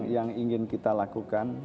yang ingin kita lakukan